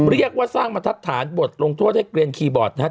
เรียกว่าสร้างบรรทัศน์บทลงโทษให้เกลียนคีย์บอร์ดนะครับ